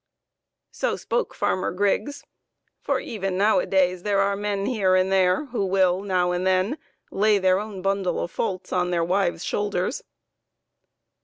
So spoke Farmer Griggs, for even nowadays there are men here and there who will now and then lay their own bundle of faults on their wives' shoulders.